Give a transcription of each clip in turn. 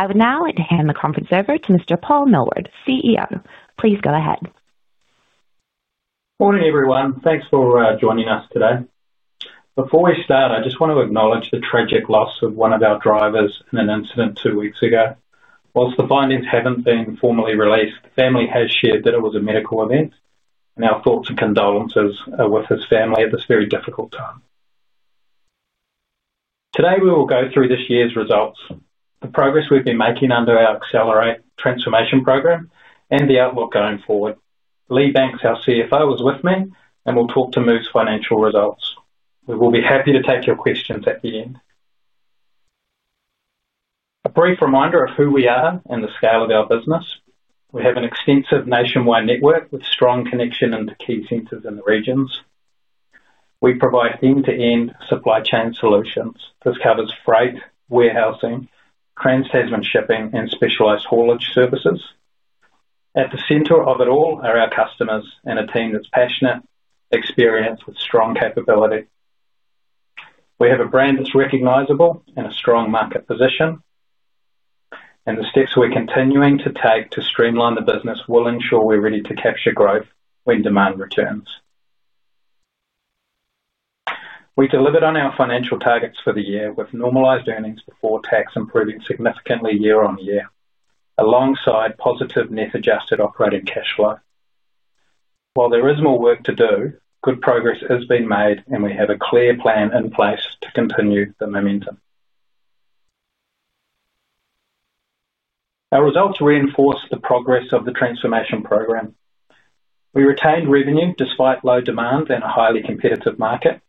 I would now like to hand the conference over to Mr. Paul Millward, CEO. Please go ahead. Morning, everyone. Thanks for joining us today. Before we start, I just want to acknowledge the tragic loss of one of our drivers in an incident two weeks ago. Whilst the findings haven't been formally released, the family has shared that it was a medical event, and our thoughts and condolences are with his family at this very difficult time. Today, we will go through this year's results, the progress we've been making under our Accelerate Transformation program, and the outlook going forward. Lee Banks, our CFO, is with me, and we'll talk to MOVE's financial results. We will be happy to take your questions at the end. A brief reminder of who we are and the scale of our business. We have an extensive nationwide network with strong connections into key centers in the regions. We provide end-to-end supply chain solutions. This covers freight, warehousing, trans-Tasman shipping, and specialized haulage services. At the center of it all are our customers and a team that's passionate, experienced, with strong capability. We have a brand that's recognizable and a strong market position, and the steps we're continuing to take to streamline the business will ensure we're ready to capture growth when demand returns. We delivered on our financial targets for the year with normalized earnings before tax improving significantly year-on-year, alongside positive net adjusted operating cash flow. While there is more work to do, good progress has been made, and we have a clear plan in place to continue the momentum. Our results reinforce the progress of the Transformation program. We retained revenue despite low demand in a highly competitive market.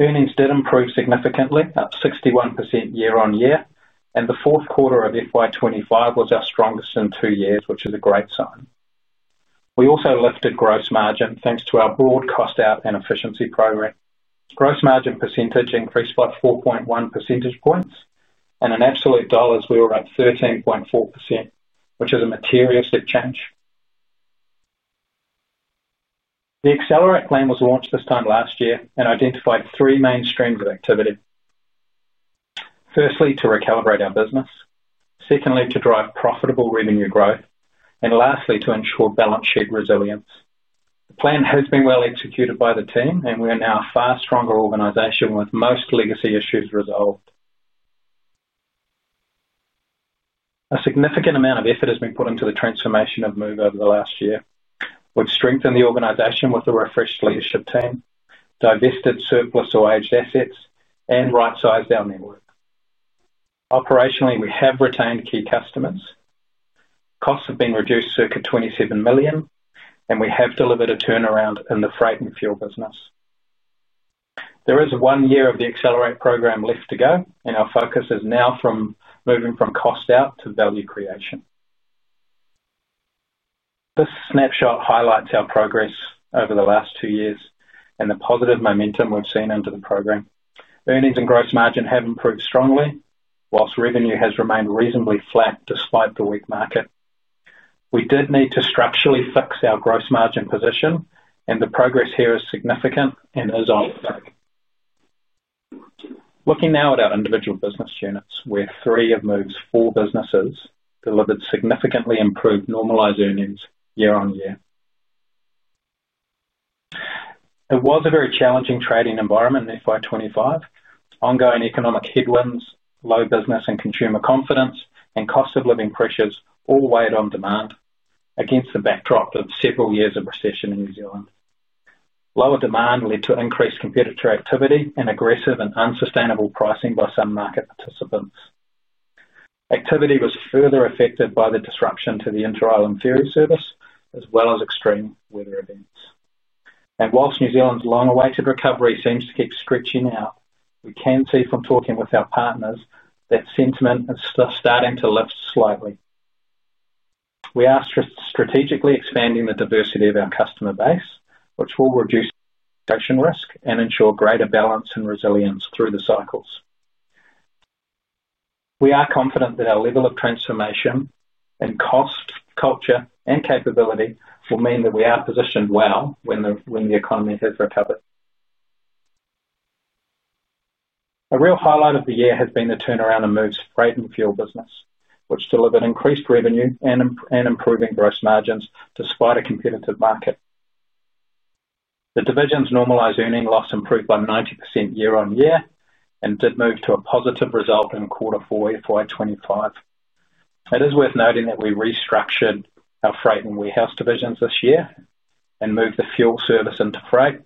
Earnings did improve significantly, up 61% year-on year, and the fourth quarter of FY 2025 was our strongest in two years, which is a great sign. We also lifted gross margin thanks to our broad cost out and efficiency program. Gross margin percentage increased by 4.1% points, and in absolute dollars, we were up 13.4%, which is a material step change. The Accelerate plan was launched this time last year and identified three main streams of activity. Firstly, to recalibrate our business, secondly, to drive profitable revenue growth, and lastly, to ensure balance sheet resilience. The plan has been well executed by the team, and we are now a far stronger organization with most legacy issues resolved. A significant amount of effort has been put into the transformation of MOVE over the last year. We've strengthened the organization with a refreshed leadership team, divested surplus or aged assets, and right-sized our network. Operationally, we have retained key customers. Costs have been reduced to approximately $27 million, and we have delivered a turnaround in the freight and fuel business. There is one year of the Accelerate program left to go, and our focus is now moving from cost out to value creation. This snapshot highlights our progress over the last two years and the positive momentum we've seen under the program. Earnings and gross margin have improved strongly, while revenue has remained reasonably flat despite the weak market. We did need to structurally fix our gross margin position, and the progress here is significant and is ongoing. Looking now at our individual business units, three of MOVE's four businesses delivered significantly improved normalized earnings year-on-year. It was a very challenging trading environment in FY 2025. Ongoing economic headwinds, low business and consumer confidence, and cost of living pressures all weighed on demand against the backdrop of several years of recession in New Zealand. Lower demand led to increased competitor activity and aggressive and unsustainable pricing by some market participants. Activity was further affected by the disruption to the inter-island ferry service, as well as extreme weather events. While New Zealand's long-awaited recovery seems to keep stretching out, we can see from talking with our partners that sentiment is starting to lift slightly. We are strategically expanding the diversity of our customer base, which will reduce inflation risk and ensure greater balance and resilience through the cycles. We are confident that our level of transformation and cost, culture, and capability will mean that we are positioned well when the economy has recovered. A real highlight of the year has been the turnaround in MOVE's freight and fuel business, which delivered increased revenue and improving gross margins despite a competitive market. The division's normalized earning loss improved by 90% year-on-year and did move to a positive result in Q4 FY 2025. It is worth noting that we restructured our freight and warehousing divisions this year and moved the fuel service into freight.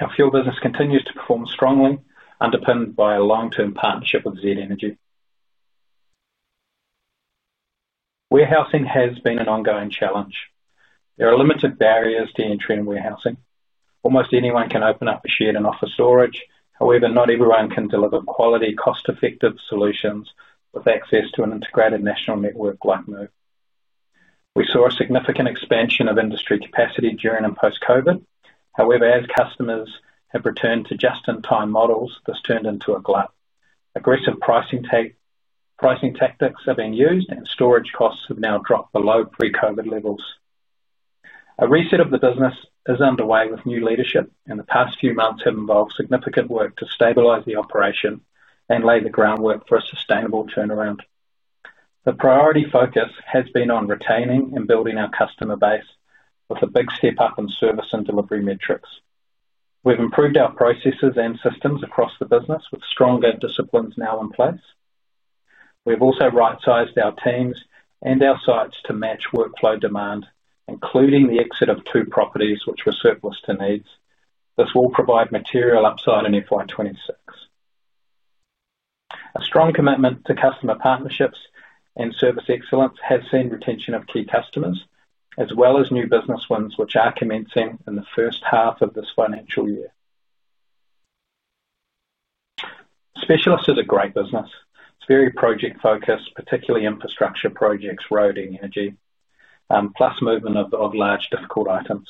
Our fuel business continues to perform strongly, underpinned by a long-term partnership with Z Energy. Warehousing has been an ongoing challenge. There are limited barriers to entry in warehousing. Almost anyone can open up a shed and offer storage, however, not everyone can deliver quality, cost-effective solutions with access to an integrated national network like MOVE. We saw a significant expansion of industry capacity during and post-COVID. However, as customers have returned to just-in-time models, this turned into a glut. Aggressive pricing tactics are being used, and storage costs have now dropped below pre-COVID levels. A reset of the business is underway with new leadership, and the past few months have involved significant work to stabilize the operation and lay the groundwork for a sustainable turnaround. The priority focus has been on retaining and building our customer base, with a big step up in service and delivery metrics. We've improved our processes and systems across the business, with stronger disciplines now in place. We've also right-sized our teams and our sites to match workflow demand, including the exit of two properties which were surplus to needs. This will provide material upside in FY 2026. A strong commitment to customer partnerships and service excellence has seen retention of key customers, as well as new business wins, which are commencing in the first half of this financial year. Specialists is a great business. It's very project-focused, particularly infrastructure projects, roading, energy plus movement of large difficult items.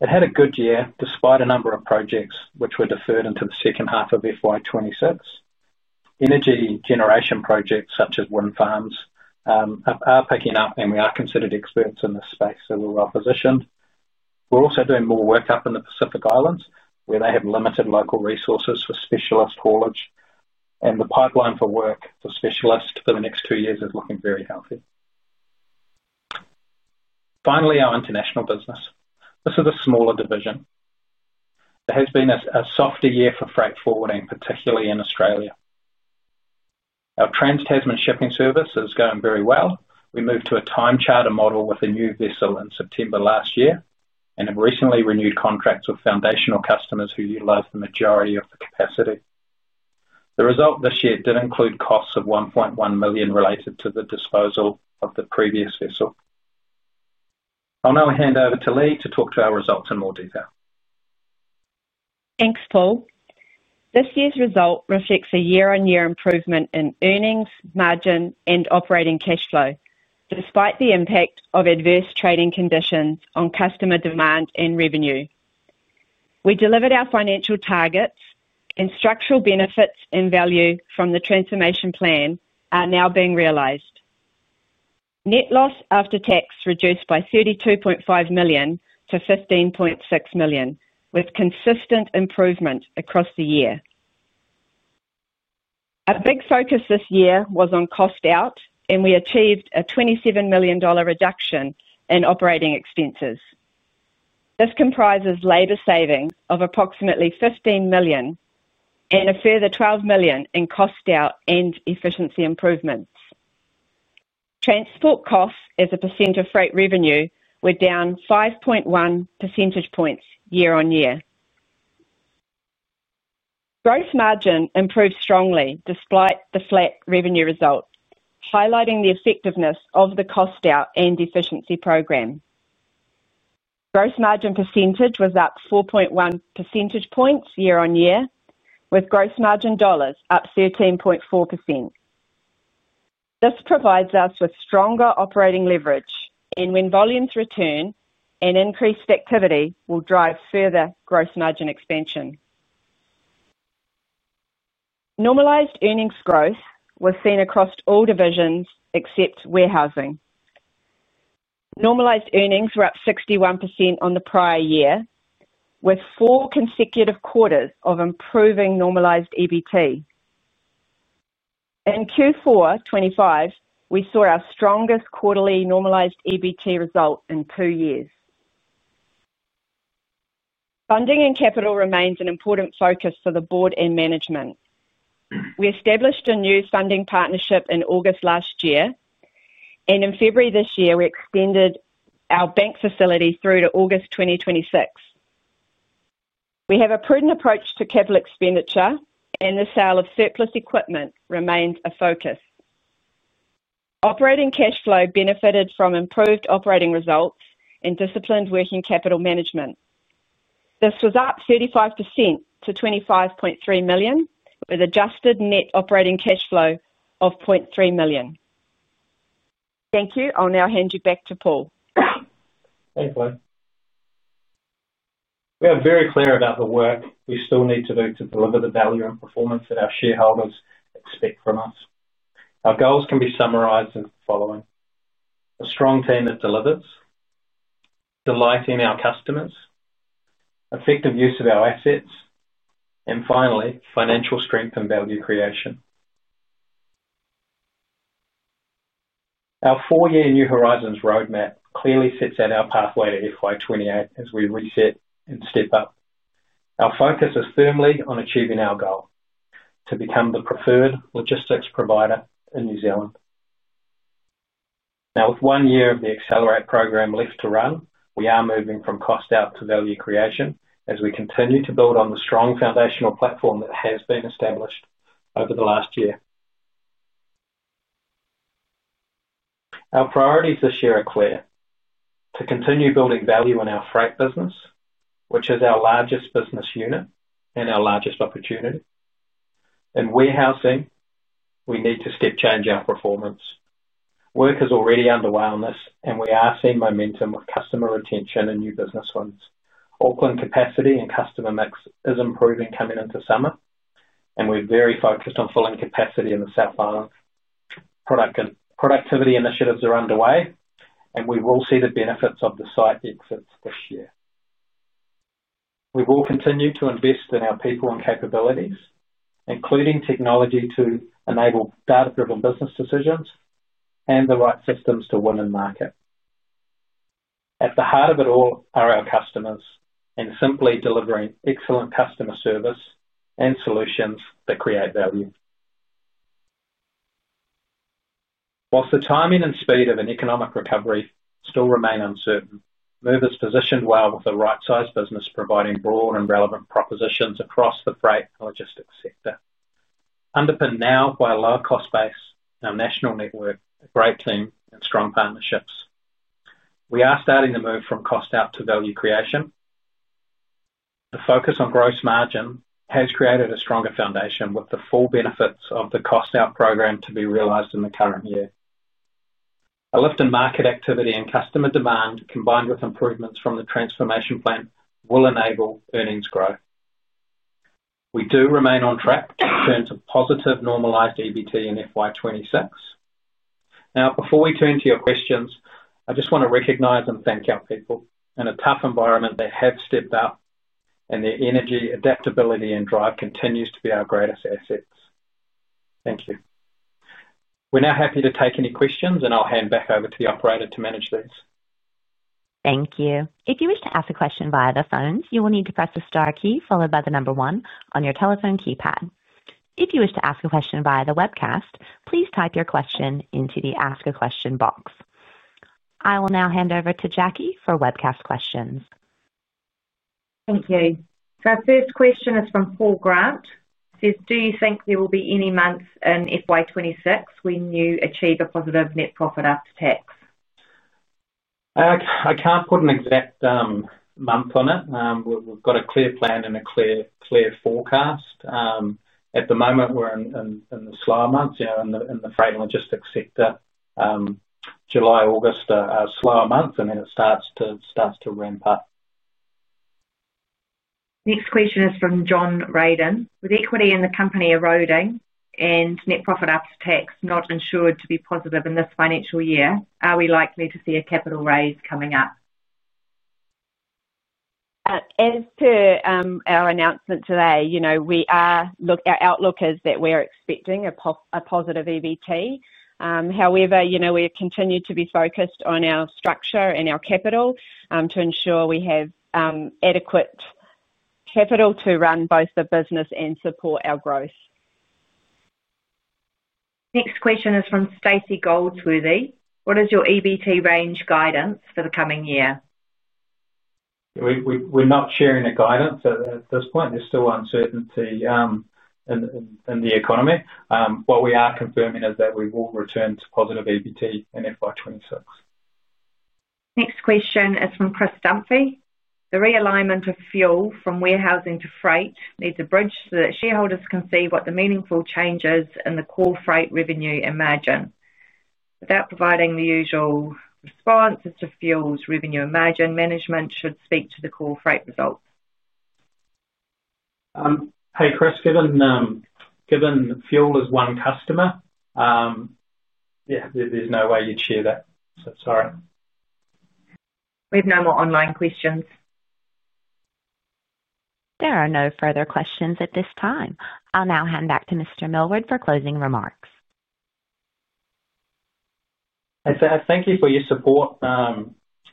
It had a good year despite a number of projects which were deferred into the second half of FY 2026. Energy generation projects such as wind farms are picking up, and we are considered experts in this space, so we're well positioned. We're also doing more work up in the Pacific Islands, where they have limited local resources for specialist haulage, and the pipeline for work for specialists for the next two years is looking very healthy. Finally, our international business. This is a smaller division. There has been a softer year for freight forwarding, particularly in Australia. Our Trans-Hasman shipping service is going very well. We moved to a time charter model with a new vessel in September last year and have recently renewed contracts with foundational customers who utilize the majority of the capacity. The result this year did include costs of $1.1 million related to the disposal of the previous vessel. I'll now hand over to Lee to talk to our results in more detail. Thanks, Paul. This year's result reflects a year-on-year improvement in earnings, margin, and operating cash flow, despite the impact of adverse trading conditions on customer demand and revenue. We delivered our financial targets, and structural benefits and value from the Transformation plan are now being realized. Net loss after tax reduced by $32.5 million-$15.6 million, with consistent improvement across the year. A big focus this year was on cost out, and we achieved a $27 million reduction in operating expenses. This comprises labor saving of approximately $15 million and a further $12 million in cost out and efficiency improvements. Transport costs as a percentage of freight revenue were down 5.1% points year-on-year. Gross margin improved strongly despite the flat revenue result, highlighting the effectiveness of the cost out and efficiency program. Gross margin percentage was up 4.1% points year-on-year, with gross margin dollars up 13.4%. This provides us with stronger operating leverage, and when volumes return increased activity will drive further gross margin expansion. Normalized earnings growth was seen across all divisions except warehousing. Normalized earnings were up 61% on the prior year, with four consecutive quarters of improving normalized EBT. In Q4 FY 2025, we saw our strongest quarterly normalized EBT result in two years. Funding and capital remains an important focus for the Board and management. We established a new funding partnership in August last year, and in February this year, we extended our bank facility through to August 2026. We have a prudent approach to capital expenditure, and the sale of surplus equipment remains a focus. Operating cash flow benefited from improved operating results and disciplined working capital management. This was up 35% to $25.3 million, with adjusted net operating cash flow of $0.3 million. Thank you. I'll now hand you back to Paul. Thanks, Lee. We are very clear about the work we still need to do to deliver the value and performance that our shareholders expect from us. Our goals can be summarized as the following. A strong team that delivers, delight in our customers, effective use of our assets, and finally, financial strength and value creation. Our four-year New Horizons roadmap clearly sets out our pathway to FY 2028 as we reset and step up. Our focus is firmly on achieving our goal to become the preferred logistics provider in New Zealand. Now, with one year of the Accelerate program left to run, we are moving from cost out to value creation as we continue to build on the strong foundational platform that has been established over the last year. Our priorities this year are clear. To continue building value in our freight business, which is our largest business unit and our largest opportunity. In warehousing, we need to step change our performance. Work is already underway on this, and we are seeing momentum with customer retention and new business wins. Auckland capacity and customer mix is improving coming into summer, and we're very focused on filling capacity in the South Island. Productivity initiatives are underway, and we will see the benefits of the site exits this year. We will continue to invest in our people and capabilities, including technology to enable data-driven business decisions and the right systems to win in market. At the heart of it all are our customers and simply delivering excellent customer service and solutions that create value. Whilst the timing and speed of an economic recovery still remain uncertain, MOVE is positioned well with a right-sized business providing broad and relevant propositions across the freight and logistics sector. Underpinned now by a low-cost base, our national network, a great team, and strong partnerships, we are starting to move from cost out to value creation. The focus on gross margin has created a stronger foundation with the full benefits of the cost out program to be realized in the current year. A lift in market activity and customer demand, combined with improvements from the Transformation plan, will enable earnings growth. We do remain on track, seeing a positive normalized earnings before tax in FY 2026. Now, before we turn to your questions, I just want to recognize and thank our people. In a tough environment, they have stepped up, and their energy, adaptability, and drive continue to be our greatest assets. Thank you. We're now happy to take any questions, and I'll hand back over to the Operator to manage these. Thank you. If you wish to ask a question via the phone, you will need to press the star key followed by the number one on your telephone keypad. If you wish to ask a question via the webcast, please type your question into the ask a question box. I will now hand over to Jackie for webcast questions. Thank you. Our first question is from Paul Grant. He says, do you think there will be any month in FY 2026 when you achieve a positive net profit after tax? I can't put an exact month on it. We've got a clear plan and a clear forecast. At the moment, we're in the slower months, you know, in the freight and logistics sector. July and August are slower months, and then it starts to ramp up. Next question is from John Raiden. With equity in the company eroding and net profit after tax not ensured to be positive in this financial year, are we likely to see a capital raise coming up? As per our announcement today, we are looking, our outlook is that we're expecting a positive EBT. However, we continue to be focused on our structure and our capital to ensure we have adequate capital to run both the business and support our growth. Next question is from Stacy Goldsworthy. What is your EBT range guidance for the coming year? We're not sharing the guidance at this point. There's still uncertainty in the economy. What we are confirming is that we will return to positive EBT in FY 2026. Next question is from Chris Dunfee. The realignment of fuel from warehousing to freight needs a bridge so that shareholders can see what the meaningful changes in the core freight revenue imagine. Without providing the usual responses to fuel's revenue imagine, management should speak to the core freight result. Hey Chris, given fuel is one customer, yeah, there's no way you'd share that. We have no more online questions. There are no further questions at this time. I'll now hand back to Mr. Millward for closing remarks. I thank you for your support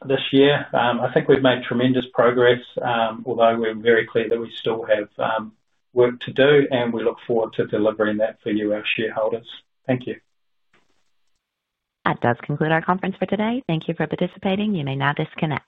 this year. I think we've made tremendous progress, although we're very clear that we still have work to do, and we look forward to delivering that for you, our shareholders. Thank you. That does conclude our conference for today. Thank you for participating. You may now disconnect.